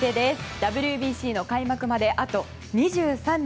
ＷＢＣの開幕まであと２３日。